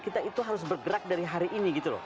kita itu harus bergerak dari hari ini